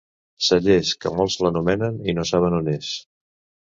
Cellers, que molts l'anomenen i no saben on és.